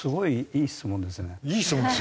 いい質問ですよね。